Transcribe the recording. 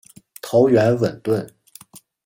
头圆吻钝。